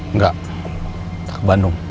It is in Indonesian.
nggak kita ke bandung